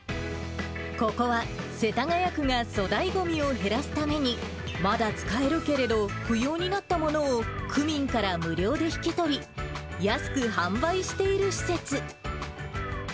ここは世田谷区が粗大ごみを減らすために、まだ使えるけれど、不要になったものを区民から無料で引き取り、安く販売している施設。